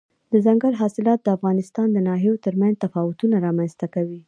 دځنګل حاصلات د افغانستان د ناحیو ترمنځ تفاوتونه رامنځ ته کوي.